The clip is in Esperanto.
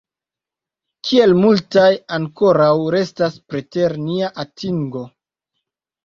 Kiel multaj ankoraŭ restas preter nia atingo!